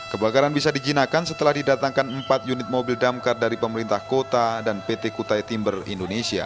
kebakaran bisa dijinakan setelah didatangkan empat unit mobil damkar dari pemerintah kota dan pt kutai timber indonesia